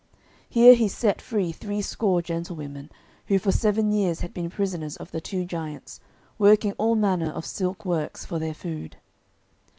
Here he set free three score gentlewomen, who for seven years had been prisoners of the two giants, working all manner of silk works for their food.